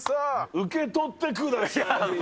受け取ってください。